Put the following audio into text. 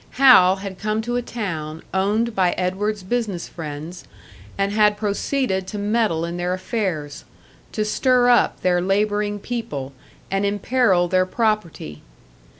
Hal had come to a town owned by Edward's business friends, and had proceeded to meddle in their affairs, to stir up their labouring people and imperil their property.